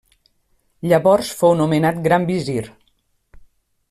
Llavors fou nomenat gran visir.